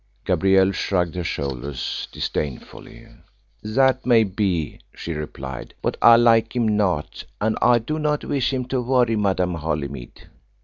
Gabrielle shrugged her shoulders disdainfully. "That may be," she replied; "but I like him not, and I do not wish him to worry Madame Holymead."